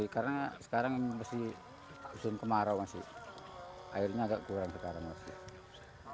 karena sekarang masih musim kemarau masih airnya agak kurang sekarang masih